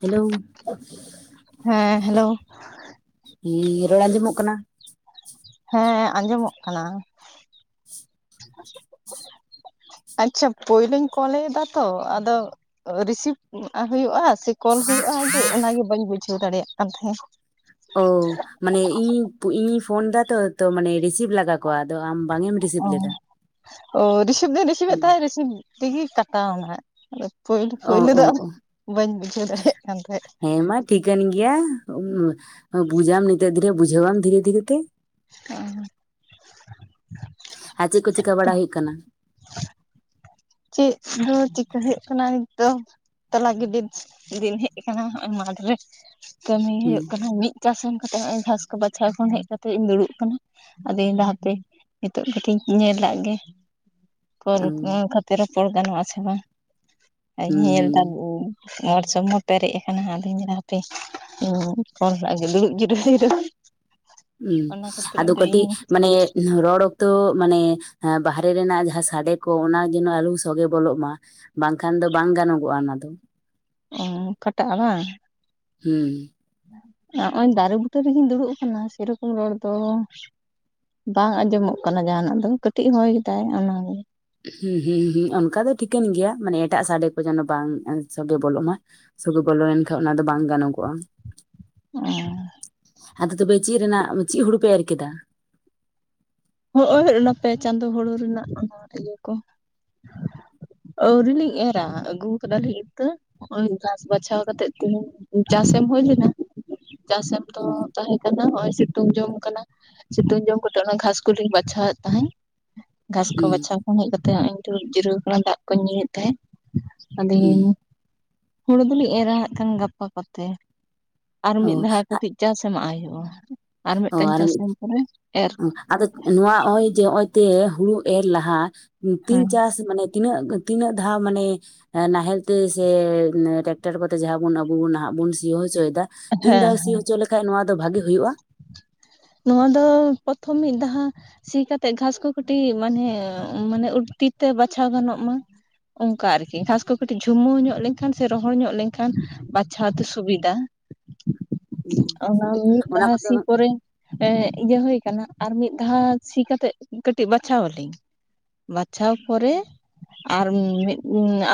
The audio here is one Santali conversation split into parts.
ᱦᱮᱞᱳ ᱦᱮᱸ ᱦᱮᱞᱳ ᱾ ᱤ ᱤ ᱤ ᱨᱚᱲ ᱟᱡᱚᱢᱚᱜ ᱠᱟᱱᱟ? ᱦᱮᱸ ᱟᱸᱡᱚᱢᱚᱜ ᱠᱟᱱᱟ ᱾ [inaudible] ᱟᱪᱪᱷᱟ ᱯᱳᱭᱞᱳᱧ ᱠᱚᱞ ᱮᱫᱟ ᱛᱚ ᱟᱫᱚ ᱨᱤᱥᱤᱵᱷ ᱦᱩᱭᱩᱜ-ᱟ? ᱥᱮ ᱠᱚᱞ ᱦᱩᱭᱩᱜ-ᱟ ᱟᱜᱮ ᱚᱱᱟᱜᱮ ᱵᱟᱹᱧ ᱵᱩᱡᱷᱟᱹᱣ ᱫᱟᱲᱮᱭᱟᱜ ᱠᱟᱱ ᱛᱟᱦᱮᱸᱫ᱾ ᱳ ᱢᱟᱱᱮ ᱤᱧ ᱤᱧᱤᱧ ᱯᱷᱳᱱ ᱫᱟ ᱛᱚ ᱛᱚ ᱢᱟᱱᱮ ᱨᱤᱥᱤᱵᱷ ᱞᱟᱜᱟ ᱠᱚᱜ-ᱟ ᱟᱫᱚ ᱟᱢ ᱵᱟᱝ ᱮᱢ ᱨᱤᱥᱤᱯ ᱞᱮᱫᱟ᱾ ᱚ ᱨᱤᱥᱤᱵᱷ ᱫᱩᱧ ᱨᱤᱥᱤᱵᱷᱮᱫ ᱛᱟᱦᱮᱸᱫ ᱨᱤᱥᱤᱵᱷ ᱛᱮᱜᱮ ᱠᱟᱴᱟᱣ ᱱᱟ᱾ ᱯᱳᱞᱳ ᱚ ᱯᱳᱭᱞᱳ ᱫᱚ ᱚ ᱟᱫᱚ ᱚ ᱵᱟᱹᱧ ᱵᱩᱡᱷᱟᱹᱣ ᱫᱟᱲᱮᱭᱟᱜ ᱠᱟᱱ ᱛᱟᱦᱮᱸᱫ᱾ ᱦᱮᱸ ᱢᱟ ᱴᱷᱤᱠᱟᱹᱱ ᱜᱮᱭᱟ ᱵᱩᱡᱟᱢ ᱱᱤᱛᱟᱹᱜ ᱫᱷᱤᱨᱮ ᱵᱩᱡᱷᱟᱹᱣᱟᱢ ᱫᱷᱤᱨᱮ ᱫᱷᱤᱨᱮᱛᱮ᱾ ᱚ ᱟᱨ ᱪᱮᱫ ᱠᱚ ᱪᱤᱠᱟ ᱵᱟᱲᱟ ᱦᱩᱭᱩᱜ ᱠᱟᱱᱟ? ᱪᱮᱜ ᱫᱚ ᱪᱤᱠᱟᱹᱭ ᱦᱩᱭᱩᱜ ᱠᱟᱱᱟ ᱱᱤᱛ ᱫᱚ? ᱛᱚᱞᱟ ᱜᱤᱰᱤ ᱫᱤᱱ ᱦᱮᱡ ᱟᱠᱟᱱᱟ ᱱᱚ ᱚᱭ ᱢᱟᱴᱷᱨᱮ ᱠᱟᱹᱢᱤ ᱦᱩᱸ ᱦᱩᱭᱩᱜ ᱠᱟᱱᱟ ᱢᱤᱜ ᱪᱟᱥ ᱮᱢ ᱠᱟᱛᱮ ᱦᱚᱜ ᱚᱭ ᱜᱷᱟᱥ ᱠᱚ ᱵᱟᱪᱷᱟᱣ ᱠᱷᱚᱱ ᱦᱮᱡ ᱠᱟᱛᱮ ᱤᱧ ᱫᱩᱲᱩᱵ ᱠᱟᱱᱟ᱾ ᱟᱫᱩᱧ ᱫᱟ ᱦᱟᱯᱮ ᱱᱤᱛᱳᱜ ᱠᱟᱴᱤᱧ ᱧᱮᱞ ᱞᱟᱜ ᱜᱮ᱾ ᱠᱚ ᱚ ᱦᱩᱸ ᱠᱷᱟᱹᱛᱤᱨ ᱨᱚᱯᱚᱲ ᱜᱟᱱᱚᱜ ᱟ ᱥᱮ ᱵᱟᱝ ᱧᱮᱞ ᱦᱩᱸ ᱛᱚ ᱦᱚᱣᱟᱴᱥᱚᱯ ᱢᱟ ᱯᱮᱨᱮᱡ ᱟᱠᱟᱱᱟ ᱟᱫᱩᱧ ᱧᱮᱞᱟ ᱦᱟᱯᱮᱧ ᱠᱚᱞ ᱠᱟᱜ ᱜᱮ ᱫᱩᱲᱩᱵ ᱡᱤᱨᱟᱹᱣ ᱡᱤᱨᱟᱹᱣ᱾ ᱦᱩᱸ ᱚᱱᱟ ᱠᱷᱟᱹᱛᱤᱨ ᱟᱫᱚ ᱠᱟᱹᱴᱤᱜ ᱤᱧ ᱢᱟᱱᱮ ᱨᱚᱲ ᱚᱠᱛᱚ ᱢᱟᱱᱮ ᱵᱟᱦᱮᱨᱮ ᱨᱮᱱᱟᱜ ᱡᱟᱦᱟᱸ ᱥᱟᱰᱮ ᱠᱚ ᱚᱱᱟ ᱡᱮᱱᱚ ᱟᱞᱩ ᱥᱚᱜᱮ ᱵᱚᱞᱚᱜ ᱢᱟ᱾ ᱵᱟᱝᱠᱷᱟᱱ ᱫᱚ ᱵᱟᱝ ᱜᱟᱱᱚᱜᱚᱜ-ᱟ ᱚᱱᱟ ᱫᱚ᱾ ᱚ ᱠᱷᱴᱟᱜ-ᱟ ᱵᱟᱝ ᱦᱩᱸ ᱱᱚᱜ-ᱚᱭ ᱫᱟᱨᱮ ᱵᱩᱴᱟᱹ ᱨᱮᱜᱮᱧ ᱫᱩᱲᱩᱵ ᱟᱠᱟᱱᱟ ᱥᱮᱨᱚᱠᱚᱢ ᱨᱚᱲ ᱫᱚ ᱵᱟᱝ ᱟᱸᱡᱚᱢᱚᱜ ᱠᱟᱱᱟ ᱡᱟᱦᱟᱱᱟᱜ ᱫᱚ ᱠᱟᱹᱴᱤᱡ ᱦᱚᱭᱮᱫᱟᱭ ᱚᱱᱟᱜᱮ᱾ ᱦᱩᱸ ᱦᱩᱸ ᱦᱩᱸ ᱚᱱᱠᱟ ᱫᱚ ᱴᱷᱤᱠᱟᱹᱱ ᱜᱮᱭᱟ ᱢᱟᱱᱮ ᱮᱴᱟᱜ ᱥᱟᱰᱮ ᱠᱚ ᱡᱮᱱᱚ ᱵᱟᱝ ᱥᱚᱜᱮ ᱵᱚᱞᱚᱜ ᱢᱟ᱾ ᱥᱩᱜᱮ ᱵᱚᱞᱚ ᱞᱮᱱᱠᱷᱟᱱ ᱚᱱᱟ ᱫᱚ ᱵᱟᱝ ᱜᱟᱱᱚᱜᱚᱜ-ᱟ᱾ ᱚᱸ ᱟᱫᱚ ᱛᱚᱵᱮ ᱪᱮᱜ ᱨᱮᱱᱟᱜ ᱪᱮᱜ ᱦᱩᱲᱩ ᱯᱮ ᱮᱨ ᱠᱮᱫᱟ? ᱦᱚᱸᱜ-ᱚᱭ ᱚᱱᱚᱛᱮ ᱪᱟᱸᱫᱳ ᱦᱩᱲᱩ ᱨᱮᱱᱟᱜ ᱚᱱᱟ ᱤᱭᱟᱹ ᱠᱚ᱾ [inaudible] ᱟᱹᱣᱨᱤ ᱞᱤᱧ ᱮᱨᱟ ᱟᱹᱜᱩᱣ ᱠᱟᱫᱟᱞᱤᱧ ᱤᱛᱟᱹ᱾ ᱱᱚᱜᱚᱭ ᱜᱷᱟᱥ ᱵᱟᱪᱷᱟᱣ ᱠᱟᱛᱮᱜ ᱛᱮᱦᱤᱧ ᱪᱟᱥᱮᱢ ᱦᱩᱭ ᱞᱮᱱᱟ ᱪᱟᱥ ᱮᱢ ᱛᱚ ᱛᱟᱦᱮᱸ ᱠᱟᱱᱟ ᱦᱚᱜ ᱚᱭ ᱥᱤᱛᱩᱝ ᱡᱚᱢ ᱠᱟᱱᱟ ᱥᱤᱛᱩᱝ ᱡᱚᱢ ᱠᱟᱛᱮ ᱚᱱᱟ ᱜᱷᱟᱥ ᱠᱚᱞᱤᱧ ᱵᱟᱪᱷᱟᱣ ᱮᱫ ᱛᱟᱦᱮᱸ ᱜᱷᱟᱥ ᱠᱚ ᱦᱩᱸ ᱵᱟᱪᱷᱟᱣ ᱦᱮᱡ ᱠᱟᱛᱮᱜ ᱦᱚᱜ-ᱚᱭ ᱤᱧ ᱫᱩᱲᱩᱵ ᱡᱤᱨᱟᱹᱣ ᱠᱟᱱᱟ ᱫᱟᱜ ᱠᱚᱧ ᱧᱩᱭᱮᱫ ᱛᱟᱦᱮᱸᱜ ᱦᱩᱸ ᱟᱫᱤᱱ ᱦᱩᱲᱩ ᱫᱚᱞᱤᱧ ᱮᱨᱟ ᱦᱟᱜ ᱠᱷᱟᱱ ᱜᱟᱯᱟ ᱠᱚᱛᱮ ᱟᱨ ᱢᱤᱫ ᱚ ᱫᱷᱟᱣ ᱠᱟᱹᱴᱤᱡ ᱪᱟᱥ ᱮᱢᱟᱜ ᱦᱩᱭᱩᱜ-ᱟ ᱟᱨ ᱚ ᱢᱮᱜᱴᱟᱝ ᱪᱟᱥ ᱢᱤᱫ ᱮᱢ ᱯᱚᱨᱮ ᱮᱨ ᱟᱫᱚ ᱱᱚᱣᱟ ᱱᱚᱜᱚᱭ ᱡᱮ ᱦᱚᱜᱚᱭ ᱛᱮ ᱦᱩᱲᱩ ᱮᱨ ᱞᱟᱦᱟ ᱛᱤᱱ ᱦᱮᱸ ᱪᱟᱥ ᱢᱟᱱᱮ ᱛᱤᱱᱟᱹᱜ ᱛᱤᱱᱟᱹᱜ ᱫᱷᱟᱣ ᱢᱟᱱᱮ ᱱᱟᱦᱮᱞ ᱛᱮ ᱥᱮ ᱴᱨᱟᱠᱴᱟᱨ ᱠᱚᱛᱮ ᱡᱟᱦᱟᱸ ᱵᱚᱱ ᱟᱵᱚ ᱵᱚᱱ ᱱᱟᱦᱟᱜ ᱵᱚᱱ ᱥᱤᱭᱳ ᱦᱚᱪᱚᱭ ᱫᱟ, ᱛᱤᱱ ᱦᱮᱸ ᱫᱷᱟᱣ ᱥᱤ ᱦᱚᱪᱚ ᱞᱮᱠᱷᱟᱡ ᱱᱚᱣᱟ ᱫᱚ ᱵᱷᱟᱜᱮ ᱦᱩᱭᱩᱜ-ᱟ? ᱱᱚᱣᱟ ᱫᱚ ᱯᱚᱛᱷᱚᱢ ᱢᱤᱫ ᱫᱷᱟ ᱥᱤ ᱠᱟᱛᱮᱜ ᱜᱷᱟᱥ ᱠᱚ ᱠᱟᱹᱴᱤᱜ ᱢᱟᱱᱮ ᱛᱤ ᱛᱮ ᱵᱟᱪᱷᱟᱣ ᱜᱟᱱᱚᱜ ᱢᱟ᱾ ᱚᱝᱠᱟ ᱟᱨᱠᱤ ᱜᱷᱟᱥ ᱠᱚ ᱠᱟᱹᱴᱤᱡ ᱡᱷᱩᱢᱟᱹᱣ ᱧᱚᱜ ᱞᱮᱝᱠᱷᱟᱱ ᱥᱮ ᱨᱚᱦᱚᱲ ᱧᱚᱜ ᱞᱮᱝᱠᱷᱟᱱ ᱵᱟᱪᱷᱟᱣ ᱛᱮ ᱥᱩᱵᱤᱫᱟ᱾ [inaudible] ᱚᱱᱟ ᱢᱤᱫ ᱚᱱᱟ ᱫᱷᱟᱣ ᱠᱚᱫᱚ ᱥᱤ ᱯᱚᱨᱮ ᱮᱜ ᱤᱭᱟᱹ ᱦᱩᱭ ᱠᱟᱱᱟ, ᱟᱨ ᱢᱤᱫ ᱫᱷᱟᱣ ᱥᱤ ᱠᱟᱛᱮᱜ ᱠᱟᱹᱴᱤᱡ ᱵᱟᱪᱷᱟᱣ ᱟᱞᱤᱧ᱾ ᱵᱟᱪᱷᱟᱣ ᱯᱚᱨᱮ ᱟᱨ ᱢᱤᱫ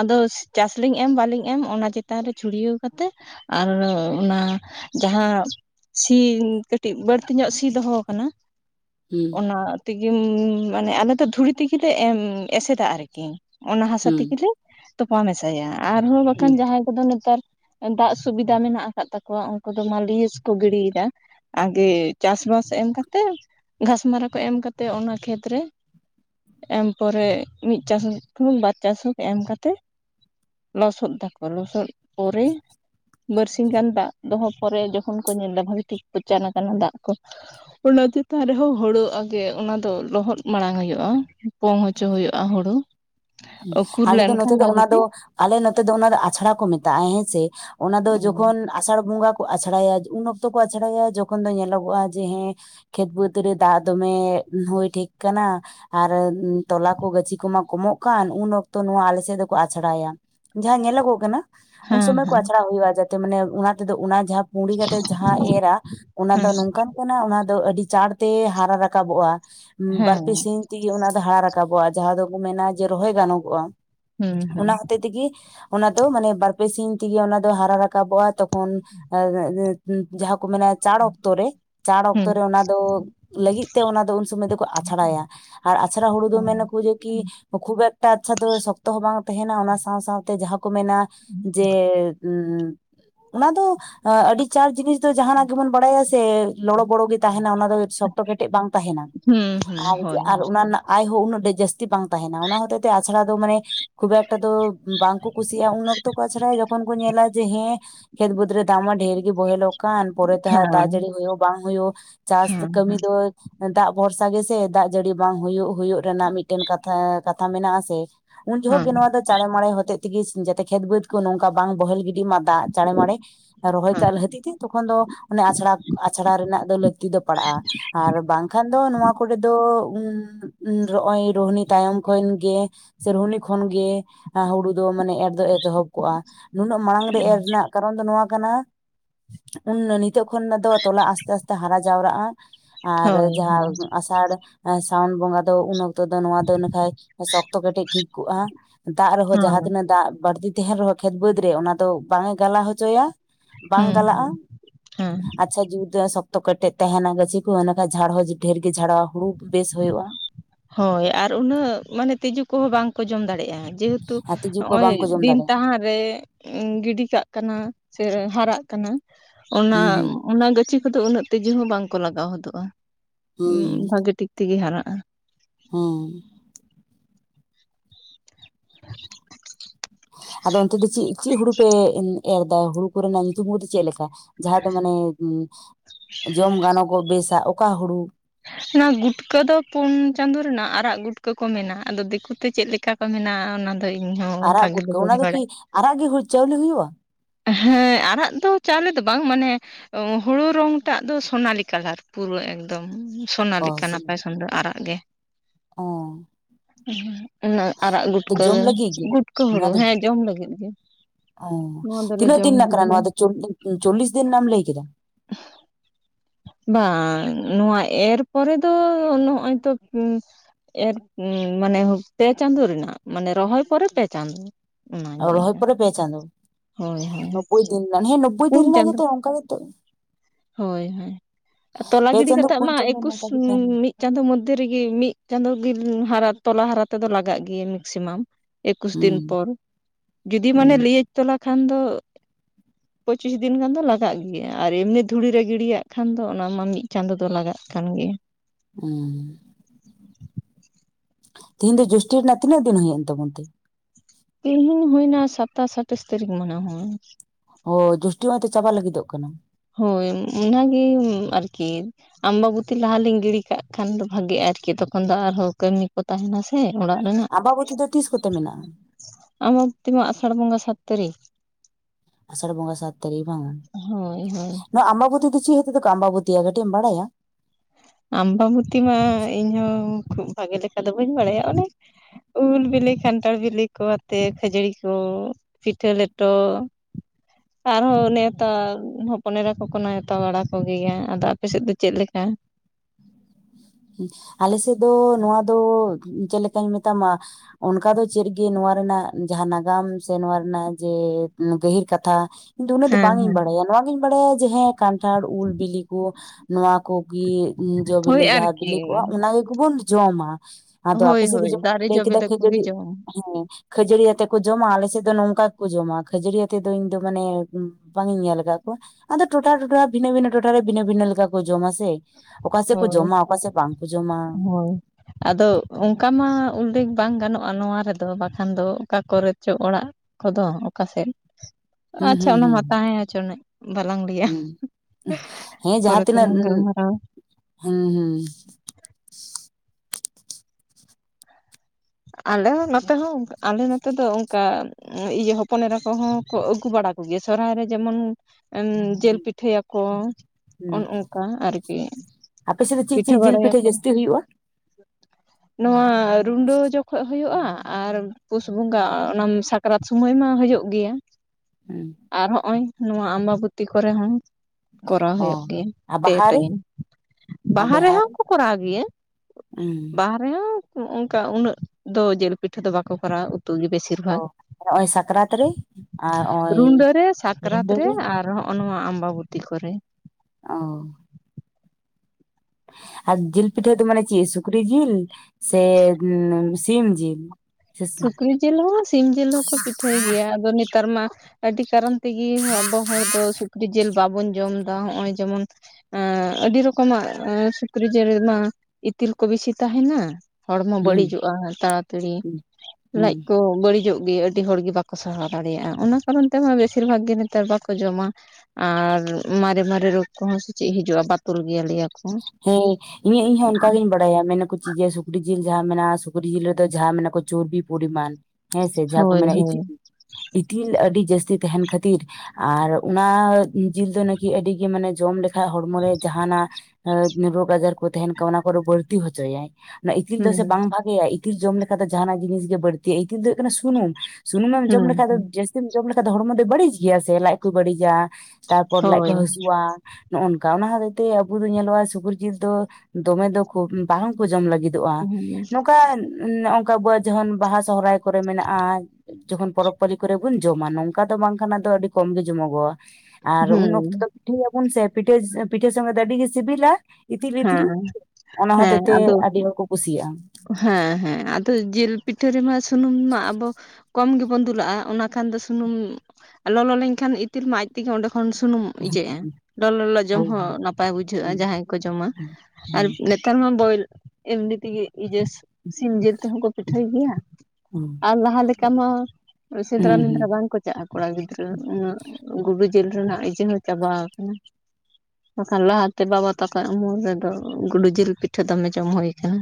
ᱟᱫᱚ ᱪᱟᱥ ᱞᱤᱧ ᱮᱢ ᱵᱟᱞᱤᱧ ᱮᱢ, ᱚᱱᱟ ᱪᱮᱛᱟᱱ ᱨᱮ ᱪᱷᱩᱲᱭᱟᱹᱣ ᱠᱟᱛᱮᱫ ᱟᱨ ᱚᱱᱟ ᱡᱟᱦᱟᱸ ᱥᱤ ᱠᱟᱹᱴᱤᱡ ᱵᱟᱹᱲ ᱛᱤᱧᱚᱜ ᱥᱤ ᱫᱚᱦᱚᱸ ᱟᱠᱟᱱᱟ, ᱦᱩᱸ ᱚᱱᱟ ᱛᱮᱢ ᱢᱟᱱᱮ ᱟᱞᱮ ᱫᱚ ᱫᱷᱩᱲᱤ ᱛᱮ ᱜᱮᱞᱮ ᱮᱥᱮᱫᱟ ᱟᱨᱠᱤ, ᱚᱱᱟ ᱦᱟᱥᱟ ᱛᱮ ᱦᱩᱸ ᱜᱮᱞᱮ ᱛᱚᱯᱟ ᱢᱮᱥᱟᱭᱟ, ᱟᱨᱦᱚᱸ ᱦᱩᱸ ᱵᱟᱠᱷᱟᱱ ᱡᱟᱦᱟᱸᱭ ᱩᱱᱠᱩ ᱫᱚ ᱱᱮᱛᱟᱨ ᱫᱟᱜ ᱥᱩᱵᱤᱫᱷᱟ ᱢᱮᱱᱟᱜ ᱟᱠᱟᱫ ᱛᱟᱠᱚᱣᱟ, ᱩᱱᱠᱩ ᱫᱚ ᱢᱟᱞᱤᱭᱮᱥ ᱠᱚ ᱜᱤᱰᱤᱭᱮᱫᱟ᱾ ᱟᱜᱮ ᱪᱟᱥᱵᱟᱥ ᱮᱢ ᱠᱟᱛᱮᱜ, ᱜᱷᱟᱥᱢᱟᱨᱟ ᱠᱚ ᱮᱢ ᱠᱟᱛᱮᱜ ᱚᱱᱟ ᱠᱷᱮᱛ ᱨᱮ ᱮᱢ ᱯᱚᱨᱮ ᱢᱤᱫ ᱪᱟᱥ ᱦᱩᱠ ᱵᱟᱨ ᱪᱟᱥ ᱦᱩᱠ ᱮᱢ ᱠᱟᱛᱮᱫ ᱞᱚᱥᱚᱫ ᱫᱟᱠᱚ, ᱞᱚᱥᱚᱫ ᱯᱚᱨᱮ ᱵᱟᱨᱥᱤᱧ ᱜᱟᱱ ᱫᱟᱜ ᱫᱚᱦᱚ ᱯᱚᱨᱮ ᱡᱚᱠᱷᱚᱱ ᱠᱚ ᱧᱮᱞᱫᱟ ᱵᱷᱟᱜᱤ ᱴᱷᱤᱠ ᱯᱚᱪᱟᱱ ᱟᱠᱟᱱᱟ ᱫᱟᱜ ᱠᱚ ᱚᱱᱟ ᱪᱮᱛᱟᱱ ᱨᱮᱦᱚᱸ ᱦᱩᱲᱩ ᱟᱜᱮ ᱚᱱᱟ ᱫᱚ ᱞᱚᱦᱚᱫ ᱢᱟᱲᱟᱝ ᱦᱩᱭᱩᱜᱼᱟ, ᱯᱚᱝ ᱦᱚᱪᱚ ᱦᱩᱭᱩᱜᱼᱟ ᱦᱩᱲᱩ᱾ ᱟᱞᱮ ᱫᱚ ᱱᱚᱛᱮ ᱫᱚ ᱚᱱᱟ ᱫᱚ ᱟᱞᱮ ᱱᱚᱛᱮ ᱫᱚ ᱚᱱᱟ ᱫᱚ, ᱟᱪᱷᱲᱟ ᱠᱚ ᱢᱮᱛᱟᱜᱼᱟ ᱦᱮᱸ ᱥᱮ᱾ ᱚᱱᱟ ᱫᱚ ᱡᱚᱠᱷᱚᱱ ᱟᱥᱟᱬ ᱵᱚᱸᱜᱟ ᱟᱪᱷᱲᱟᱭᱟ ᱩᱱ ᱚᱠᱛᱚ ᱠᱚ ᱟᱪᱲᱟᱭᱟ ᱡᱚᱠᱷᱚᱱ ᱫᱚ ᱧᱮᱞᱚᱜᱼᱟ, ᱡᱮ ᱦᱮᱸ ᱠᱷᱮᱛ ᱵᱟᱹᱫᱽ ᱨᱮ ᱫᱟᱜ ᱫᱚᱢᱮ, ᱦᱩᱭ ᱴᱷᱤᱠ ᱠᱟᱱᱟ᱾ ᱟᱨ ᱛᱚᱞᱟ ᱠᱚ, ᱜᱟᱹᱪᱷᱤ ᱠᱚᱢᱟ ᱠᱚᱢᱚᱜ ᱠᱟᱱ ᱩᱱ ᱚᱠᱛᱚ ᱱᱚᱣᱟ ᱟᱞᱮᱥᱮᱫ ᱫᱚᱠᱚ ᱟᱪᱷᱲᱟᱭᱟ᱾ ᱡᱟᱦᱟᱸ ᱧᱮᱞᱚᱜ ᱜᱚ ᱠᱟᱱᱟ᱾ ᱩᱱ ᱦᱮᱸ ᱥᱚᱢᱚᱭ ᱠᱚ ᱦᱮᱸ ᱟᱪᱷᱲᱟᱣ ᱦᱩᱭᱩᱜᱼᱟ, ᱡᱟᱛᱮ ᱢᱟᱱᱮ ᱚᱱᱟ ᱛᱮᱫᱚ ᱚᱱᱟ ᱡᱟᱦᱟᱸ ᱜᱩᱸᱲᱤ ᱠᱟᱛᱮ ᱡᱟᱦᱟᱸ ᱮᱨᱟ, ᱚᱱᱟ ᱫᱚ ᱦᱮᱸ ᱱᱚᱝᱠᱟᱱ ᱚᱱᱟ ᱚᱱᱟ ᱫᱚ ᱟᱹᱰᱤ ᱪᱟᱲ ᱛᱮ ᱦᱟᱨᱟ ᱨᱟᱠᱟᱵᱚᱜᱼᱟ᱾ ᱦᱮᱸ ᱵᱟᱨᱯᱮ ᱥᱤᱱ ᱛᱮᱜᱮ ᱚᱱᱟ ᱫᱚ ᱦᱟᱨᱟ ᱨᱟᱠᱟᱵᱚᱜᱼᱟ, ᱡᱟᱦᱟᱸ ᱫᱚᱠᱚ ᱢᱮᱱᱟ ᱡᱮ ᱨᱚᱦᱚᱭ ᱜᱟᱱᱚᱜᱚᱜᱼᱟ᱾ ᱦᱩᱸ ᱦᱩᱸ ᱚᱱᱟ ᱦᱚᱛᱮ ᱛᱮᱜᱮ ᱚᱱᱟ ᱫᱚ ᱢᱟᱱᱮ, ᱵᱟᱨᱯᱮ ᱥᱤᱧ ᱛᱮᱜᱮ ᱚᱱᱟ ᱫᱚ ᱦᱟᱨᱟ ᱨᱟᱠᱟᱵᱚᱜᱼᱟ ᱛᱚᱠᱷ ᱟᱹᱧ ᱚᱸᱚᱸᱚᱸ ᱡᱟᱦᱟᱸ ᱠᱚ ᱢᱮᱱᱟ ᱪᱟᱬ ᱚᱠᱛᱚᱨᱮ ᱪᱟᱬ ᱚᱠᱛᱚ ᱨᱮ ᱦᱩᱸ ᱚᱱᱟ ᱫᱚ ᱞᱟᱹᱜᱤᱫ ᱛᱮ ᱚᱱᱟ ᱫᱚ ᱩᱱ ᱥᱚᱢᱚᱭ ᱫᱚᱠᱚ ᱟᱪᱷᱲᱟᱭᱟ, ᱟᱨ ᱟᱪᱷᱲᱟ ᱦᱩᱲᱩ ᱫᱚ ᱢᱮᱱᱟᱠᱚ ᱡᱮ ᱠᱤ ᱠᱷᱩᱵ ᱮᱠᱴᱟ ᱟᱪᱪᱷᱟ ᱫᱚ ᱥᱚᱠᱛᱚ ᱦᱚᱸ ᱵᱟᱝ ᱛᱟᱦᱮᱱᱟ᱾ ᱚᱱᱟ ᱥᱟᱶ ᱥᱟᱶᱛᱮ ᱡᱟᱦᱟᱸ ᱠᱚ ᱢᱮᱱᱟ ᱡᱮ ᱚᱢ ᱚᱢ ᱚᱱᱟ ᱫᱚ ᱟᱹᱰᱤ ᱪᱟᱲ ᱡᱤᱱᱤᱥ ᱫᱚ ᱡᱟᱦᱟᱱᱟᱜ ᱜᱮᱵᱚᱱ ᱵᱟᱲᱟᱭᱟ ᱥᱮ ᱞᱚᱲᱚ ᱵᱚᱲᱚ ᱜᱮ ᱛᱟᱦᱮᱱᱟ᱾ ᱚᱱᱟ ᱫᱚ ᱥᱚᱠ ᱛᱚ ᱠᱮᱴᱮᱡ ᱵᱟᱝ ᱛᱟᱦᱮᱱᱟ, ᱦᱩᱸ ᱦᱩᱸ ᱟᱨ ᱡᱮ ᱦᱳᱭ ᱟᱨ ᱚᱱᱟ ᱟᱨᱠᱤ ᱨᱮᱱᱟᱜ ᱟᱭ- ᱦᱚ ᱩᱱᱟᱹᱜ ᱴᱟᱜ ᱡᱟᱹᱥᱛᱤ ᱵᱟᱝ ᱛᱟᱦᱮᱱᱟ᱾ ᱚᱱᱟ ᱦᱚᱛᱮ ᱛᱮ ᱟᱪᱷᱲᱟ ᱫᱚ ᱢᱟᱱᱮ ᱠᱷᱩᱵ ᱮᱠᱴᱟ ᱫᱚ ᱵᱟᱝ ᱠᱚ ᱠᱩᱥᱤᱭᱟᱜᱼᱟ ᱩᱱ ᱚᱠᱛᱚ ᱠᱚ ᱟᱸᱪᱷᱲᱟᱭᱟ ᱡᱚᱠᱷᱚᱱ ᱠᱚ ᱧᱮᱸᱞᱟ ᱡᱮ, ᱦᱮᱸ ᱠᱷᱮᱛ ᱵᱟᱹᱫᱽ ᱨᱮ ᱫᱟᱜ ᱢᱟ ᱰᱷᱮᱨ ᱜᱮ ᱵᱚᱦᱮᱞᱚᱜ ᱠᱟᱱ, ᱯᱚᱨᱮᱛᱮ ᱦᱟᱸᱜ ᱫᱟᱜ ᱦᱮᱸ ᱡᱟᱹᱲᱤ ᱦᱩᱭᱩᱜ ᱵᱟᱝ ᱦᱩᱭᱩᱜ᱾ ᱪᱟᱥ ᱫᱚ ᱦᱮᱸ ᱠᱟᱹᱢᱤ ᱫᱚᱭ ᱫᱟᱜ ᱵᱷᱚᱨᱥᱟ ᱜᱮᱥᱮ ᱫᱟᱜ ᱡᱟᱹᱲᱤ ᱵᱟᱝ ᱦᱩᱭᱩᱜ ᱦᱩᱭᱩᱜ ᱨᱮᱱᱟᱜ ᱢᱤᱫᱴᱮᱱ ᱠᱟᱛᱷᱟ ᱠᱟᱛᱷᱟ ᱢᱮᱱᱟᱜ-ᱟ ᱥᱮ᱾ ᱩᱱ ᱡᱚᱦᱚᱜ ᱦᱮᱸ ᱜᱮ ᱱᱚᱣᱟ ᱫᱚ ᱪᱟᱬᱮ ᱢᱟᱲᱮ ᱦᱚᱛᱮᱡ ᱛᱮᱜᱮ, ᱡᱟᱛᱮ ᱠᱷᱮᱛ ᱵᱟᱹᱫᱽ ᱠᱚ ᱱᱚᱝᱠᱟ ᱵᱟᱝ ᱵᱚᱦᱮᱞ ᱜᱮ ᱢᱟ ᱫᱟᱜ ᱪᱟᱬᱮ ᱢᱟᱬᱮ ᱨᱚᱦᱚᱭ ᱦᱮᱸ ᱠᱟᱜ- ᱟᱞᱮ ᱦᱟᱹᱛᱤ ᱛᱮ, ᱛᱚᱠᱷᱚᱱ ᱫᱚ ᱚᱱᱮ ᱟᱪᱷᱲᱟ ᱟᱪᱷᱲᱟ ᱨᱮᱱᱟᱜ ᱫᱚ ᱞᱟᱹᱠᱛᱤ ᱫᱚ ᱯᱟᱲᱟᱜᱼᱟ᱾ ᱟᱨ ᱵᱟᱝᱠᱷᱟᱱ ᱫᱚ ᱱᱚᱣᱟ ᱠᱚᱨᱮ ᱫᱚ ᱩᱱ ᱱᱚᱜᱼᱚᱭ ᱨᱳᱦᱱᱤ ᱛᱟᱭᱚᱢ ᱠᱷᱚᱱ ᱜᱮ ᱥᱮ ᱨᱩᱦᱩᱱᱤ ᱠᱷᱚᱱ ᱜᱮ, ᱦᱩᱲᱩ ᱫᱚ ᱢᱟᱱᱮ ᱮᱨᱫᱚ ᱮᱛᱚᱦᱚᱵ ᱛᱚᱜ-ᱟ᱾ ᱱᱩᱱᱟᱹᱜ ᱢᱟᱲᱟᱝ ᱨᱮ ᱮᱨ ᱨᱮᱱᱟᱜ ᱠᱟᱨᱚᱱ ᱫᱚ ᱱᱚᱣᱟ ᱠᱟᱱᱟ᱾ ᱩᱱ ᱱᱤᱛᱚᱜ ᱠᱷᱚᱱ ᱢᱟᱛᱚ ᱛᱚᱞᱟ ᱟᱥᱛᱮ ᱟᱥᱛᱮ ᱦᱟᱨᱟ ᱡᱟᱣᱨᱟᱜᱼᱟ᱾ ᱟᱨ ᱦᱳᱭ ᱡᱟᱦᱟᱸ ᱦᱳᱭ ᱟᱥ ᱥᱟᱲ ᱥᱟᱱ ᱵᱚᱸᱜᱟ ᱫᱚ ᱩᱱ ᱚᱠᱛᱚ ᱫᱚ ᱱᱚᱣᱟ ᱤᱱᱟᱹᱠᱷᱟᱡ ᱥᱚᱠᱛᱚ ᱠᱟᱹᱴᱤᱡ ᱴᱷᱤᱠ ᱠᱚᱜᱼᱟ᱾ ᱫᱟᱜ ᱨᱮᱦᱚᱸ ᱦᱮᱸ ᱡᱟᱦᱟᱸ ᱛᱤᱱᱟᱹᱜ ᱫᱟᱜ ᱵᱟᱹᱲᱛᱤ ᱛᱟᱦᱮᱸᱱ ᱨᱮᱦᱚᱸ ᱠᱷᱮᱛ ᱵᱟᱹᱫᱽ ᱨᱮ ᱚᱱᱟ ᱫᱚ ᱵᱟᱝ ᱮ ᱜᱟᱞᱟ ᱦᱚᱪᱚᱭᱟ, ᱵᱟᱝ ᱜᱟᱞᱟᱜᱼᱟ, ᱦᱩᱸ ᱦᱮᱸ ᱟᱪᱪᱷᱟ ᱡᱩᱫᱟᱹ ᱥᱚᱠ ᱛᱚ ᱠᱮᱴᱮᱡ ᱛᱟᱦᱮᱸᱱᱟ ᱜᱟᱹᱪᱷᱤ ᱠᱚ ᱚᱱᱟ ᱠᱷᱟᱡ ᱡᱷᱟᱲ ᱦᱚᱸ ᱰᱷᱮᱨ ᱜᱮ ᱡᱷᱟᱲᱚᱜᱼᱟ ᱦᱩᱲᱩᱠ ᱵᱮᱥ ᱦᱩᱭᱩᱜᱼᱟ᱾ ᱦᱚᱭ ᱟᱨ ᱩᱱᱟᱹᱜ ᱢᱟᱱᱮ ᱛᱤᱡᱩ ᱠᱚᱦᱚᱸ ᱵᱟᱝ ᱠᱚ ᱡᱚᱢ ᱫᱟᱲᱮᱜᱼᱟ᱾ ᱡᱮᱦᱮᱛᱩ ᱟᱨ ᱛᱤᱡᱩ ᱠᱚ ᱱᱚᱜᱼᱚᱭ ᱵᱟᱝᱠᱚ ᱡᱚᱢ ᱫᱤᱱ ᱫᱟᱲᱮᱭᱟᱜᱼᱟ ᱛᱟᱦᱟᱸ ᱨᱮ, ᱩᱸ ᱜᱤᱰᱤ ᱠᱟᱜ ᱠᱟᱱᱟ ᱥᱮ ᱦᱟᱨᱟᱜ ᱠᱟᱱᱟ, ᱚᱱᱟᱻ ᱦᱩᱸ ᱦᱩᱸ ᱚᱱᱟ ᱜᱟᱹᱪᱷᱤ ᱠᱚᱫᱚ ᱩᱱᱟᱹᱜ ᱛᱤᱡᱩ ᱦᱚᱸ ᱵᱟᱝ ᱠᱚ ᱞᱟᱜᱟᱣ ᱦᱚᱫᱚᱜᱼᱟ, ᱩᱸ ᱵᱷᱟᱜᱮ ᱴᱷᱤᱠ ᱛᱮᱜᱮ ᱦᱟᱨᱟᱜᱼᱟ᱾ ᱦᱚᱸᱻ [unintelligible] ᱟᱫᱚ ᱚᱱᱛᱮ ᱫᱚ ᱪᱮᱜ ᱪᱮᱫ ᱦᱩᱲᱩ ᱯᱮ ᱮᱱ ᱮᱨ ᱮᱫᱟ ᱦᱩᱲᱩ ᱠᱚᱨᱮᱱᱟᱜ ᱧᱩᱛᱩᱢ ᱠᱚᱫᱚ ᱪᱮᱜ ᱞᱮᱠ- ᱠᱟ, ᱡᱟᱦᱟᱸ ᱫᱚ ᱢᱟᱱᱮ ᱩᱸ ᱡᱚᱢ ᱜᱟᱱᱚ ᱜᱚᱜ ᱵᱮᱥᱼᱟ ᱚᱠᱟ ᱦᱩᱲᱩ? ᱚᱱᱟ ᱜᱩᱴᱠᱟᱹ ᱫᱚ ᱯᱩᱱ ᱪᱟᱸᱫᱳ ᱨᱮᱱᱟᱜ ᱟᱨᱟᱜ ᱜᱩᱴᱠᱟᱹ ᱠᱚ ᱢᱮᱱᱟ, ᱟᱫᱚ ᱫᱤᱠᱩ ᱛᱮ ᱪᱮᱫ ᱞᱮᱠᱟ ᱠᱚ ᱢᱮᱱᱟ ᱚᱱᱟ? ᱫᱚ ᱤᱧᱦᱚᱸ ᱟᱨᱟᱜ ᱵᱷᱟᱜᱮ ᱜᱩᱴᱠᱟᱹ ᱚᱱᱟ ᱵᱟᱹᱧ ᱫᱚ ᱠᱤ ᱵᱟᱲᱟᱭᱟ ᱟᱨᱟᱜ ᱜᱮ ᱦᱩᱭ ᱪᱟᱹᱣᱞᱤ ᱦᱩᱭᱩᱜᱼᱟ? ᱦᱮᱸ ᱟᱨᱟᱜ ᱫᱚ ᱪᱟᱣᱞᱮ ᱫᱚ ᱵᱟᱝ ᱢᱟᱱᱮ ᱦᱩᱲᱩ ᱨᱚᱝ ᱴᱟᱜ ᱫᱚ ᱥᱚᱱᱟ ᱞᱮᱠᱟ ᱠᱟᱞ ᱯᱩᱨᱟᱹ ᱮᱠᱫᱚᱢ᱾ ᱥᱚᱱᱟ ᱚ ᱞᱮᱠᱟ ᱱᱟᱯᱟᱭ ᱥᱩᱱᱫᱚᱨ ᱟᱨᱟᱜ ᱜᱮ᱾ ᱚ ᱩᱱᱟᱜ ᱟᱨᱟᱜ ᱛᱚ ᱜᱩᱴᱠᱟᱹ ᱡᱚᱢ ᱫᱚ, ᱞᱟᱹᱜᱤᱫ ᱜᱮ ᱜᱩᱴᱠᱟᱹ ᱦᱩᱲᱩ ᱦᱮᱸ ᱡᱚᱢ ᱞᱟᱹᱜᱤᱫ ᱜᱮ᱾ ᱚᱸ ᱱᱚᱣᱟ ᱫᱚᱞᱮ ᱛᱤᱱᱟᱹᱜ ᱡᱚᱢ ᱫᱤᱱ ᱨᱮᱱᱟᱜ ᱠᱟᱱᱟ ᱜᱮᱭᱟᱞᱮ ᱱᱚᱣᱟ ᱫᱚ ᱪᱚᱵᱽ ᱪᱚᱞᱞᱤᱥ ᱫᱤᱱ ᱨᱮᱱᱟᱜ ᱮᱢ ᱞᱟᱹᱭ ᱠᱮᱫᱟ? ᱵᱟᱝ ᱱᱚᱣᱟ ᱮᱨ ᱯᱚᱨᱮ ᱫᱚ ᱱᱚᱜᱼᱚᱭ ᱛᱚ ᱯᱩᱸ- ᱮᱨᱯ ᱢᱟᱱᱮ ᱦᱚᱸ ᱯᱮ ᱪᱟᱸᱫᱳ ᱨᱮᱱᱟᱜ ᱢᱟᱱᱮ ᱨᱚᱦᱚᱭ ᱯᱚᱨᱮ ᱯᱮ ᱪᱟᱸᱫᱳ᱾ ᱚᱱᱟᱧ ᱚ ᱞᱟᱹᱭ ᱮᱫᱟ ᱨᱚᱦᱚᱭ ᱯᱚᱨᱮ ᱯᱮ ᱪᱟᱸᱫᱳ ᱦᱳᱭ ᱦᱳᱭ ᱱᱳᱵᱽ ᱳᱭ ᱫᱤᱱ ᱜᱟᱱ, ᱦᱮᱸ ᱱᱳᱵᱽ ᱵᱚᱭ ᱫᱤᱱ ᱯᱩᱱ ᱨᱮᱱᱟᱜ ᱪᱟᱸᱫᱳ ᱡᱮᱛᱮ ᱚᱸᱠᱟ ᱜᱮ ᱛᱚ᱾ ᱦᱳᱭ ᱦᱚᱭ ᱟᱨ ᱛᱚᱞᱟ ᱯᱮ ᱜᱤᱰᱤ ᱪᱟᱸᱫᱳ ᱠᱟᱛᱮᱜ ᱯᱩᱱ ᱢᱟ ᱪᱟᱸᱫᱳ ᱤᱠᱩᱥ ᱱᱚᱝᱠᱟ ᱜᱮ ᱛᱟᱦᱮᱱᱟ ᱢᱤᱻᱤᱜ- ᱪᱟᱸᱫᱳ ᱢᱚᱫᱽᱮ ᱨᱮᱜᱮ ᱢᱤᱜ ᱪᱟᱸᱫᱳ ᱜᱮ ᱮᱸ ᱦᱟᱨᱟ ᱛᱚᱞᱟ ᱦᱟᱨᱟ ᱛᱮᱫᱚ ᱞᱟᱜᱟᱜ ᱜᱮᱭᱟ ᱢᱮᱠᱥᱤ ᱢᱟᱢ᱾ ᱮᱠᱩᱥ ᱫᱤᱱ ᱦᱩᱸ ᱯᱚᱨ ᱡᱩᱫᱤ ᱦᱩᱸ ᱢᱟᱱᱮ ᱞᱤᱭᱟᱹ ᱛᱚᱞᱟ ᱠᱷᱟᱱ ᱫᱚ ᱯᱩᱪᱤᱥ ᱫᱤᱱ ᱜᱟᱱ ᱫᱚ ᱞᱟᱜᱟᱜ ᱜᱮᱭᱟ ᱟᱨ ᱮᱢᱱᱤ ᱫᱷᱩᱲᱤ ᱨᱮ ᱜᱤᱰᱤᱭᱟᱜ ᱠᱷᱟᱱ ᱫᱚ ᱚᱱᱟ ᱢᱟ ᱢᱤᱜ ᱪᱟᱸᱫᱳ ᱫᱚ ᱞᱟᱜᱟᱜ ᱠᱟᱱ ᱜᱮᱭᱟ᱾ ᱩᱸᱻ ᱛᱮᱦᱤᱧ ᱫᱚ ᱡᱳᱥᱴᱤ ᱨᱮᱱᱟᱜ ᱛᱤᱱᱟᱹᱜ ᱫᱤᱱ ᱦᱩᱭᱮᱱ ᱛᱟᱵᱚᱱ ᱛᱮ? ᱛᱤᱦᱤᱧ ᱦᱩᱭ ᱮᱱᱟ ᱥᱟᱛᱟᱥ ᱟᱴᱷᱟᱥ ᱛᱟᱹᱨᱤᱠ ᱢᱟᱱᱟᱣ ᱦᱚᱸᱭ᱾ ᱦᱳᱭ ᱡᱳᱥᱴᱤ ᱦᱚᱸᱛᱚ ᱪᱟᱵᱟᱜ ᱞᱟᱹᱜᱤᱫᱚᱜ ᱠᱟᱱᱟ᱾ ᱦᱳᱭᱻᱩᱢ ᱚᱱᱟ ᱜᱮ ᱩᱸ ᱟᱨᱠᱤ᱾ ᱟᱢᱵᱟ ᱵᱩᱛᱤ ᱞᱟᱦᱟ ᱞᱤᱧ ᱜᱤᱲᱤ ᱠᱟᱜ ᱠᱷᱟᱱ ᱫᱚ ᱵᱷᱟᱜᱤᱜ-ᱟ ᱟᱨᱠᱤ ᱛᱚᱠᱷᱚᱱ ᱫᱚ ᱟᱨᱦᱚᱸ ᱠᱟᱹᱢᱤ ᱠᱚ ᱛᱟᱦᱮᱸᱱᱟ ᱥᱮ ᱚᱲᱟᱜ ᱨᱮᱱᱟᱜ᱾ ᱟᱢᱵᱟᱵᱚᱛᱤ ᱫᱚ ᱛᱤᱥ ᱠᱚᱛᱮ ᱢᱮᱱᱟᱜᱼᱟ ᱟᱢᱵᱟ ᱵᱩᱛᱤ ᱢᱟ ᱟᱥᱟᱲ ᱵᱚᱸᱜᱟ ᱥᱟᱛ ᱛᱟᱹᱨᱤᱠ᱾ ᱟᱥᱟᱲ ᱵᱚᱸᱜᱟ ᱥᱟᱛ ᱛᱟᱹᱨᱤᱠ ᱵᱟᱝᱼᱟ, ᱦᱳᱭ ᱦᱳᱭ ᱱᱚᱣᱟ ᱟᱢᱵᱟ ᱵᱟᱹᱛᱤ ᱫᱚ ᱪᱮᱜ ᱦᱟᱹᱛᱤ ᱛᱮᱠᱚ ᱟᱢᱵᱟ ᱵᱟᱹᱛᱤᱭᱟ ᱠᱟᱹᱴᱤᱡ ᱮᱢ ᱵᱟᱰᱟᱭᱟ? ᱟᱢᱵᱟ ᱵᱚᱛᱤ ᱢᱟ ᱤᱧ ᱦᱚᱸ ᱠᱷᱩᱵ ᱵᱷᱟᱜᱮ ᱞᱮᱠᱟ ᱫᱚ ᱵᱟᱹᱧ ᱵᱟᱰᱟᱭᱟ ᱟᱫᱚ ᱩᱞ ᱵᱤᱞᱤ ᱠᱷᱟᱱᱴᱟᱲ ᱵᱤᱞᱤ ᱠᱚ ᱣᱟᱛᱮ ᱠᱷᱟᱹᱡᱟᱹᱲᱤ ᱠᱚ ᱯᱤᱴᱷᱟᱹ ᱞᱮᱴᱚ ᱟᱨᱦᱚ ᱱᱮᱣᱛᱟᱻᱫ ᱦᱚᱯᱚᱱ ᱮᱨᱟ ᱠᱚᱠᱚ ᱱᱮᱣᱛᱟ ᱵᱟᱲᱟ ᱠᱚᱜᱮᱭᱟ ᱟᱫᱚ ᱟᱯᱮ ᱥᱮᱫ ᱫᱚ ᱪᱮᱫ ᱞᱮᱠᱟ? ᱩᱸᱦ ᱟᱞᱮ ᱥᱮᱫ ᱫᱚ ᱱᱚᱣᱟ ᱫᱚ ᱩᱸ ᱪᱮᱫ ᱞᱮᱠᱟᱧ ᱢᱮᱛᱟᱢᱟ ᱚᱱᱠᱟ ᱫᱚ ᱪᱮᱫ ᱜᱮ ᱱᱚᱣᱟ ᱨᱮᱱᱟᱜ ᱡᱟᱦᱟᱸ ᱱᱟᱜᱟᱢ ᱥᱮ ᱱᱚᱣᱟ ᱨᱮᱱᱟᱜ ᱡᱮ ᱚᱱ ᱜᱟᱹᱦᱤᱨ ᱠᱟᱛᱷᱟ ᱤᱧ ᱫᱚ ᱩᱱᱟᱹᱜ ᱫᱚ ᱦᱮᱸ ᱵᱟᱝ ᱤᱧ ᱵᱟᱰᱟᱭᱟ ᱱᱚᱣᱟ ᱜᱤᱧ ᱵᱟᱰᱟᱭᱟ ᱡᱮ ᱦᱮᱸ ᱠᱟᱱᱴᱷᱟᱲ ᱩᱞ ᱵᱤᱞᱤ ᱠᱚ ᱱᱚᱣᱟ ᱠᱚᱜᱮ ᱩᱸ ᱡᱮ ᱦᱳᱭ ᱵᱚᱞᱮ ᱡᱟᱦᱟᱸ ᱟᱨᱠᱤ ᱵᱮᱞᱤ ᱠᱚᱜ-ᱟ, ᱚᱱᱟ ᱜᱮ ᱠᱚᱵᱚᱱ ᱡᱚᱢᱼᱟ ᱟᱫᱚ ᱦᱳᱭ ᱟᱯᱮ ᱥᱮᱡ ᱦᱳᱭ ᱡᱚᱢ ᱫᱟᱨᱮ [inaudible] ᱞᱟᱹᱭ ᱠᱮᱫᱟ ᱡᱚᱵᱮᱞᱮ ᱠᱷᱟᱹᱡ ᱠᱚᱜᱮ ᱡᱟᱹᱰᱤ ᱡᱚᱢ ᱦᱮᱸ, ᱠᱷᱟᱹᱡᱟᱹᱲᱤᱭᱟᱛᱮ ᱠᱚ ᱡᱚᱢᱼᱟ, ᱟᱞᱮ ᱥᱮᱫ ᱫᱚ ᱱᱚᱝᱠᱟ ᱜᱮᱠᱚ ᱡᱚᱢᱼᱟ ᱠᱷᱟᱹᱡᱟᱹᱲᱤ ᱭᱟᱛᱮ ᱫᱚ ᱤᱧ ᱫᱚ ᱢᱟᱱᱮ ᱵᱟᱝ ᱤᱧ ᱧᱮᱞ ᱟᱠᱟᱫ ᱠᱚᱣᱟ, ᱟᱫᱚ, ᱴᱚᱴᱷᱟ, ᱴᱚᱴᱷᱟ ᱵᱷᱤᱱᱟ, ᱹ ᱵᱷᱤᱱᱟᱹ ᱴᱚᱴᱷᱟᱨᱮ, ᱵᱷᱤᱱᱟᱹ, ᱵᱷᱤᱱᱟᱹ ᱞᱮᱠᱟ ᱠᱚ, ᱡᱚᱢᱟ ᱥᱮ ᱚᱠᱟ ᱥᱮᱫ ᱠᱚ, ᱦᱳᱭ ᱡᱚᱢᱟ ᱾ ᱚᱠᱟ ᱥᱮᱫ, ᱵᱟᱝ ᱠᱚ ᱡᱚᱢᱟ ᱾ ᱦᱳᱭ ᱾ ᱟᱫᱚ, ᱚᱱᱠᱟ ᱢᱟ, ᱩᱞᱞᱮᱠᱷ ᱵᱟᱝ ᱜᱟᱱᱚᱜ-ᱟ ᱱᱚᱣᱟ ᱨᱮᱫᱚ, ᱵᱟᱠᱷᱟᱱ ᱫᱚ, ᱚᱠᱟ ᱠᱚᱨᱮ ᱪᱚ, ᱚᱲᱟᱜ ᱠᱚᱫᱚ, ᱚᱠᱟ ᱥᱮᱫ? ᱦᱩᱸ ᱟᱪᱪᱷᱟ, ᱦᱩᱸ ᱚᱱᱟ ᱦᱩᱸ ᱢᱟ ᱛᱟᱦᱮᱸ ᱦᱚᱪᱚᱱᱤᱡ, ᱵᱟᱞᱟᱝ ᱞᱟᱹᱭᱟ ᱦᱩᱸ ᱾ ᱮᱼᱥᱻ ᱯᱚᱨᱮ ᱛᱮᱞᱟᱝ ᱜᱟᱞᱢᱟᱲᱟᱣᱟ ᱾ ᱦᱩᱸᱻ ᱦᱩᱸᱻ ᱾ ᱟᱞᱮ ᱦᱚᱸ, ᱱᱚᱛᱮ ᱦᱚᱸ, ᱟᱞᱮ ᱱᱚᱛᱮ ᱫᱚ ᱚᱝᱠᱟ ᱤᱭᱟᱹ, ᱦᱚᱯᱚᱱ ᱮᱨᱟ ᱠᱚᱦᱚᱸ ᱠᱚ, ᱟᱹᱜᱩ ᱵᱟᱲᱟ ᱠᱚᱜᱮᱭᱟ ᱾ ᱥᱚᱨᱦᱟᱭ ᱨᱮ, ᱡᱮᱢᱚᱱ ᱡᱤᱞ ᱯᱤᱴᱷᱟᱹ ᱭᱟᱠᱟ, ᱦᱩᱸ ᱚᱱ ᱚᱝᱠᱟ ᱟᱨᱠᱤ, ᱯᱤᱴᱷᱟᱹ ᱵᱟᱲᱟ ᱭᱟᱠᱚ ᱦᱩᱭᱩᱜ-ᱟ ᱾ ᱱᱚᱣᱟ, ᱨᱩᱰᱟᱹ ᱡᱚᱠ ᱠᱷᱚᱡ ᱦᱩᱭᱩᱜ-ᱟ, ᱟᱨ ᱯᱩᱥ ᱵᱚᱸᱜᱟ, ᱚᱱᱟ ᱥᱟᱠᱨᱟᱛ ᱥᱳᱢᱟᱹᱭ ᱢᱟ, ᱦᱩᱭᱩᱜ ᱜᱮᱭᱟ ᱦᱩᱸ ᱾ ᱟᱨ ᱦᱚᱸᱜ-ᱚᱭ, ᱱᱚᱣᱟ ᱟᱢᱵᱟᱵᱚᱛᱤ ᱠᱚᱨᱮ ᱦᱚᱸ ᱠᱚᱨᱟᱣ ᱚ ᱦᱩᱭᱩᱜ ᱜᱮᱭᱟ, ᱟᱨ ᱯᱮ ᱵᱟᱦᱟ ᱨᱮ ᱴᱟᱭᱤᱢ, ᱵᱟᱦᱟ ᱨᱮᱦᱚᱸ ᱠᱚ, ᱠᱚᱨᱟᱣ ᱜᱮᱭᱟ ᱾ ᱮᱸᱻᱝ ᱾ ᱟᱨᱮ, ᱳᱻ ᱚᱱᱠᱟ, ᱩᱱᱟᱹᱜ ᱫᱚ ᱡᱤᱞ ᱯᱤᱴᱷᱟᱹ ᱫᱚ, ᱵᱟᱠᱚ ᱠᱚᱨᱟᱣᱟ, ᱩᱛᱩ ᱜᱮ ᱵᱮᱥᱤᱨ ᱚ ᱵᱷᱟᱜᱽ, ᱱᱚᱜᱼᱚᱭ ᱥᱟᱠᱨᱟᱛ ᱨᱮ ᱟᱨ ᱱᱚᱜᱼᱚᱭ ᱨᱩᱰᱟᱹ ᱨᱮ, ᱥᱟᱠᱨᱟᱛ ᱨᱮ, ᱟᱨᱦᱚᱸ ᱚᱼᱱᱚᱣᱟ, ᱟᱢᱵᱟᱵᱚᱛᱤ ᱠᱚᱨᱮ ᱚᱻ ᱾ ᱟᱨ, ᱡᱤᱞ ᱯᱤᱴᱷᱟᱹ ᱫᱚ, ᱢᱟᱱᱮ ᱪᱮᱫ? ᱥᱩᱠᱨᱤ ᱡᱤᱞ ᱥᱮ, ᱥᱤᱢ ᱡᱤᱞ ᱾ ᱥᱩᱠᱨᱤ ᱡᱤᱞ ᱦᱚᱸ, ᱥᱤᱢ ᱡᱤᱞ ᱦᱚᱸᱠᱚ, ᱯᱤᱴᱷᱟᱹᱭ ᱜᱮᱭᱟ ᱾ ᱟᱫᱚ, ᱱᱮᱛᱟᱨ ᱢᱟ ᱟᱹᱰᱤ ᱠᱟᱨᱚᱱ ᱛᱮᱜᱮ, ᱟᱵᱚ ᱦᱚᱲ ᱫᱚ, ᱥᱩᱠᱨᱤ ᱡᱤᱮᱞ ᱵᱟᱵᱚᱱ, ᱡᱚᱢ ᱮᱫᱟ, ᱱᱚᱜ-ᱚᱭ ᱡᱮᱢᱚᱱ ᱮᱸᱻ ᱟᱹᱰᱤ ᱨᱚᱠᱚᱢᱟᱜ, ᱥᱩᱠᱨᱤ ᱡᱮᱞᱢᱟ, ᱤᱛᱤᱞ ᱠᱚ, ᱵᱤᱥᱤ ᱛᱟᱦᱮᱱᱟ ᱾ ᱦᱚᱲᱢᱚ ᱦᱩᱸ ᱵᱟᱹᱲᱤᱡᱚᱜ-ᱟ, ᱛᱟᱲᱟ ᱛᱟᱹᱲᱤ, ᱦᱩᱸ ᱞᱟᱡ ᱠᱚ, ᱵᱟᱹᱲᱤᱡᱚᱜ ᱫᱤᱭᱮ ᱟᱹᱰᱤ ᱦᱚᱲᱜᱮ, ᱵᱟᱠᱚ ᱥᱟᱦᱟᱣ ᱫᱟᱲᱮᱭᱟᱜ-ᱟ ᱾ ᱚᱱᱟ ᱠᱟᱨᱚᱱ ᱛᱮᱢᱟ, ᱵᱮᱥᱤᱨ ᱵᱷᱟᱜᱽ ᱜᱮ, ᱱᱮᱛᱟᱨ ᱵᱟᱠᱚ ᱡᱚᱢᱟ ᱟᱨ, ᱢᱟᱨᱮ ᱢᱟᱨᱮ, ᱨᱳᱜᱽ ᱠᱚᱦᱚᱸ, ᱥᱮ ᱪᱮᱫ ᱦᱤᱡᱩᱜ-ᱟ, ᱵᱟᱛᱚᱞ ᱜᱮᱭᱟ ᱞᱟ. ᱭᱟ ᱠᱚ ᱦᱮᱸ, ᱤᱧᱟᱜ ᱤᱧ ᱦᱚᱸ, ᱚᱱᱠᱟ ᱜᱤᱧ ᱵᱟ ᱰᱟᱭᱟ, ᱢᱮᱱᱟ ᱠᱚ ᱪᱮᱫ? ᱥᱩᱠᱨᱤ ᱡᱤᱞ ᱡᱟᱦᱟᱸ ᱢᱮᱱᱟᱜ-ᱟ, ᱥᱩᱠᱨᱤ ᱡᱤᱞ ᱨᱮᱫᱚ, ᱡᱟᱦᱟᱸ ᱢᱮᱱᱟᱜ ᱠᱚ, ᱪᱚᱨᱵᱤ ᱯᱚᱨᱤᱢᱟᱱ ᱦᱮᱸ ᱥᱮ, ᱡᱟᱦᱟᱸ ᱠᱚ ᱦᱳᱭ ᱢᱮᱱᱟ, ᱦᱳᱭ ᱤᱛᱤᱞ, ᱤᱛᱤᱞ ᱟᱹᱰᱤ, ᱡᱟᱹᱥᱛᱤ ᱛᱟᱦᱮᱱ ᱠᱷᱟᱹᱛᱤᱨ ᱟᱨ, ᱚᱱᱟ ᱡᱤᱞ ᱫᱚ, ᱱᱟᱠᱤ ᱟᱹᱰᱤ ᱜᱮ ᱢᱟᱱᱮ, ᱡᱚᱢ ᱞᱮᱠᱷᱟᱡ ᱠᱷᱟᱱ ᱦᱚᱲᱢᱚ ᱨᱮ, ᱡᱟᱦᱟᱸᱱᱟᱜ, ᱨᱳᱜᱽ ᱟᱡᱟᱨ ᱠᱚ, ᱛᱟᱦᱮᱱ ᱠᱷᱟᱡ, ᱚᱱᱟ ᱠᱚᱨᱮ, ᱵᱟᱹᱲᱛᱤ ᱦᱚᱪᱚᱭᱟᱭ ᱾ ᱚᱱᱟ, ᱤᱛᱤᱞ ᱫᱚ, ᱥᱮ ᱦᱩᱸ ᱵᱟᱝ ᱵᱷᱟᱜᱮᱭᱟ, ᱤᱛᱤᱞ ᱡᱚᱢ ᱞᱮᱠᱷᱟᱱ ᱫᱚ, ᱡᱟᱦᱟᱸᱱᱟᱜ ᱡᱤᱱᱤᱥ ᱜᱮ, ᱵᱟᱹᱲᱛᱤᱜᱼᱟ ᱾ ᱤᱛᱤᱞ ᱫᱚ, ᱦᱩᱭᱩᱜ ᱠᱟᱱᱟ ᱥᱩᱱᱩᱢ ᱾ ᱥᱩᱱᱩᱢ ᱮᱢ ᱡᱚᱢ ᱦᱩᱸ ᱞᱮᱠᱷᱟᱡ ᱫᱚ, ᱦᱩᱸ ᱡᱟᱹᱥᱛᱤᱢ ᱡᱚᱢ ᱞᱮᱠᱷᱟᱱ ᱫᱚ, ᱦᱚᱲᱢᱚ ᱫᱚᱭ ᱵᱟᱹᱲᱤᱡ ᱜᱮᱭᱟ, ᱥᱮ ᱞᱟᱡ ᱠᱚᱭ, ᱵᱟᱹᱲᱤᱡᱟ ᱾ ᱛᱟᱨ ᱯᱚᱨ ᱞᱟᱡ ᱠᱚ, ᱦᱳᱭ ᱦᱟᱹᱥᱩᱣᱟ, ᱱᱚᱜ ᱱᱚᱝᱠᱟ, ᱚᱱᱟ ᱦᱚᱛᱮᱡ ᱛᱮ, ᱟᱵᱩ ᱧᱮᱞᱚᱜᱼᱟ ᱥᱩᱠᱨᱤ ᱡᱤᱞ ᱫᱚ, ᱫᱚᱢᱮ ᱫᱚ, ᱵᱟᱝ ᱠᱚᱸ, ᱡᱚᱢ ᱞᱟᱹᱜᱤᱫᱚᱜᱼᱟ, ᱦᱩᱸ ᱱᱚᱝᱠᱟ ᱱᱚᱜ ᱚᱱᱠᱟ, ᱟᱵᱚᱣᱟᱜ ᱡᱚᱦᱚᱱ ᱵᱟᱦᱟ, ᱥᱚᱦᱚᱨᱟᱭ ᱠᱚᱨᱮ, ᱢᱮᱱᱟᱜᱼᱟ ᱾ ᱡᱚᱠᱷᱚᱱ ᱯᱚᱨᱚᱵ ᱯᱟᱹᱞᱤ ᱠᱚᱨᱮ ᱵᱩᱱ ᱡᱚᱢᱟ, ᱱᱚᱝᱠᱟ ᱫᱚ, ᱵᱟᱝ ᱠᱟᱱᱟ ᱫᱚ, ᱟᱹᱰᱤ ᱠᱚᱢ ᱜᱮ, ᱡᱚᱢᱚᱜᱚᱜᱼᱟ ᱾ ᱟᱨ, ᱩᱱ ᱚᱠᱛᱚ ᱫᱚ, ᱦᱮᱸ ᱯᱤᱴᱷᱟᱹᱭᱟᱵᱚᱱ ᱥᱮ, ᱯᱤᱴᱷᱟᱹ, ᱯᱤᱴᱷᱟᱹ ᱥᱚᱢᱚᱭ ᱫᱚ, ᱟᱹᱰᱤ ᱜᱮ ᱥᱤᱵᱤᱞᱟ ᱾ ᱤᱛᱤᱞ ᱤᱛᱤᱞ, ᱚᱱᱟ ᱦᱚᱛᱮ ᱦᱮᱸ ᱛᱮ, ᱟᱫᱚ ᱟᱹᱰᱤ ᱦᱚᱲ ᱠᱚ ᱠᱩᱥᱤᱭᱟᱜᱼᱟ ᱾ ᱦᱮᱸ ᱦᱮᱸ, ᱟᱫᱚ, ᱡᱤᱞ ᱯᱤᱴᱷᱟᱹ ᱨᱮᱢᱟ, ᱥᱩᱱᱩᱢ ᱢᱟ, ᱟᱵᱚ ᱠᱚᱢ ᱜᱮᱵᱚᱱ ᱫᱩᱞᱟᱜᱼᱟ᱾ ᱚᱱᱟ ᱠᱷᱟᱱ ᱫᱚ, ᱥᱩᱱᱩᱢ ᱞᱚᱞᱚ ᱞᱮᱱᱠᱷᱟᱱ ᱤᱛᱤᱞ ᱢᱟ, ᱟᱡ ᱛᱮᱜᱮ ᱚᱸᱰᱚᱠ ᱠᱷᱚᱱ ᱥᱩᱱᱩᱢ ᱤᱭᱟᱹᱜᱼᱟ, ᱞᱚᱞᱚ, ᱞᱚᱞᱚ ᱡᱚᱢ ᱦᱳᱭ ᱦᱚᱸ, ᱦᱳᱭ ᱱᱟᱯᱟᱭ ᱦᱩᱸ ᱵᱩᱡᱷᱟᱹᱜᱼᱟ, ᱡᱟᱦᱟᱸᱭ ᱠᱚ ᱡᱚᱢᱟ ᱦᱩᱸ ᱾ ᱟᱨ ᱦᱩᱸ ᱱᱮᱛᱟᱨ ᱢᱟ, ᱵᱚᱭᱮᱞ ᱮᱢᱱᱤ ᱛᱮᱜᱮ, ᱤᱭᱟᱹᱥ ᱥᱤᱢ ᱡᱤᱞ ᱛᱮᱦᱚᱸ ᱠᱚ, ᱦᱩᱸ ᱯᱤᱴᱷᱟᱹᱭ ᱜᱮᱭᱟ ᱦᱩᱸ ᱾ ᱟᱨ ᱞᱟᱦᱟ ᱞᱮᱠᱟ ᱢᱟ ᱤᱥᱟᱹᱭ ᱫᱷᱚᱨᱚᱢ ᱦᱩᱸ ᱱᱤᱱ ᱦᱩᱸ ᱫᱷᱟᱨᱟ ᱵᱟᱝ ᱠᱩ ᱡᱟᱦᱟᱸ ᱠᱚᱲᱟ ᱜᱤᱫᱽᱨᱟᱹ ᱩᱱᱟᱹᱜ ᱜᱩᱰᱩ ᱡᱤᱞ ᱨᱮᱱᱟᱜ ᱤᱭᱟᱹ ᱦᱚᱸ ᱪᱟᱵᱟᱣ ᱟᱠᱟᱱᱟ ᱵᱟᱠᱷᱟᱱ ᱞᱟᱦᱟᱛᱮ ᱵᱟᱵᱟ ᱛᱟᱠᱚ ᱟᱢᱚᱞ ᱨᱮᱫᱚ ᱜᱩᱰᱩ ᱡᱤᱞ ᱯᱤᱴᱷᱟᱹ ᱫᱚᱢᱮ ᱡᱚᱢ ᱦᱩᱭ ᱠᱟᱱᱟ